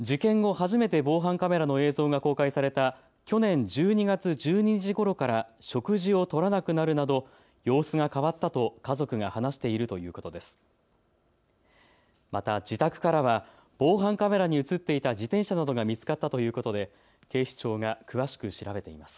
初めて防犯カメラの映像が公開された去年１２月１２日ごろから食事をとらなくなるなど様子が変わったと家族が話しているということです。